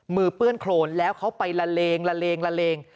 เปื้อนโครนแล้วเขาไปละเลงละเลงละเลง